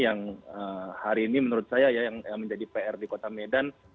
yang hari ini menurut saya yang menjadi pr di kota medan